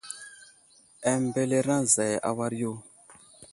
Ambelereŋ zay a war yo.